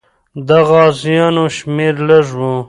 د غازیانو شمېر لږ وو.